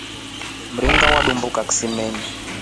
Mringa watumbuka kisimeni.